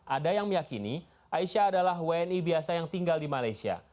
ada yang meyakini aisyah adalah wni biasa yang tinggal di malaysia